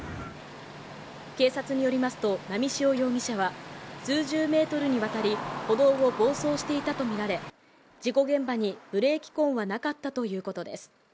警察によりますと、波汐容疑者は数十メートルにわたり歩道を暴走していたとみられ事故現場にブレーキ痕はなかったということです。